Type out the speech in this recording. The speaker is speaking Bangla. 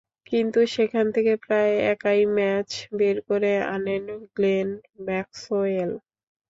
কিন্তু সেখান থেকে প্রায় একাই ম্যাচ বের করে আনেন গ্লেন ম্যাক্সওয়েল।